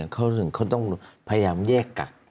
เขาต้องพยายามแยกกัก